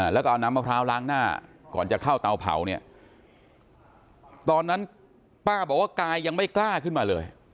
แล้วก็เอาน้ำมะพร้าวล้างหน้าก่อนจะเข้าเตาเผาเนี่ยตอนนั้นป้าบอกว่ากายยังไม่กล้าขึ้นมาเลย